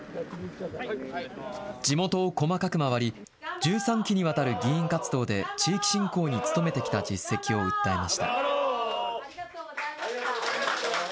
地元を細かく回り、１３期にわたる議員活動で地域振興に努めてきた実績を訴えました。